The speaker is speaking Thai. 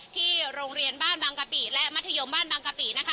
ที่โรงเรียนบ้านบางกะปิและมัธยมบ้านบางกะปินะคะ